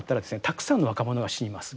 たくさんの若者が死にます。